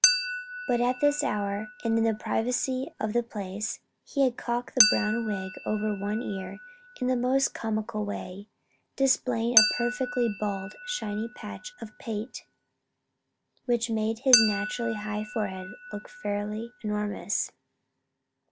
But at this hour, and in the privacy of the place, he had cocked the brown wig over one ear in the most comical way, displaying a perfectly bald, shiny patch of pate which made his naturally high forehead look fairly enormous.